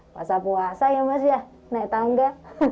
puasa puasa ya mas ya naik tangga